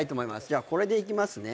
じゃあこれでいきますね。